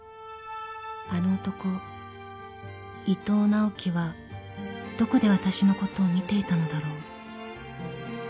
［あの男伊藤直季はどこでわたしのことを見ていたのだろう？］